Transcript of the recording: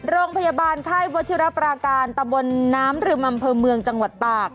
โรงพยาบาลไข้วชิรปราการตะบนน้ำหรือมัมเผอร์เมืองจังหวัดตาก